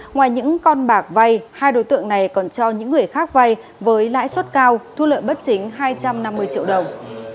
ngoài những con bạc vay hai đối tượng này còn cho những người khác vay với lãi suất cao thu lợi bất chính hai trăm năm mươi triệu đồng